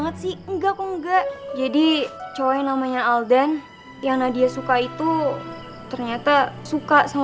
eh jangan jangan belum waktunya